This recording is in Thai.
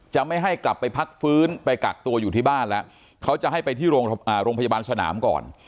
ไม่ให้กลับไปพักฟื้นไปกักตัวอยู่ที่บ้านแล้วเขาจะให้ไปที่โรงพยาบาลสนามก่อน